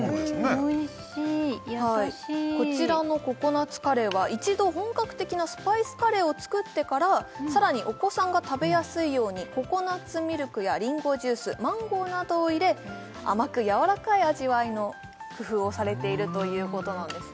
おいしい優しいこちらのココナッツカレーは一度本格的なスパイスカレーを作ってからさらにお子さんが食べやすいようにココナッツミルクやりんごジュースマンゴーなどを入れ甘くやわらかい味わいの工夫をされているということなんですね